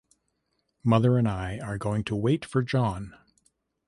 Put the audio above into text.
Mother and I are going to wait for John.